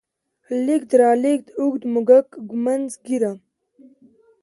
لېږد، رالېږد، اوږد، موږک، ږمنځ، ږيره